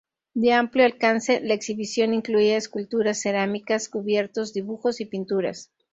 De amplio alcance, la exhibición incluía esculturas, cerámicas, cubiertos, dibujos, y pinturas.